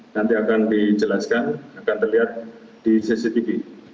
nanti akan dijelaskan akan terlihat di cctv